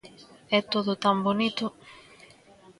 "É todo tan bonito..."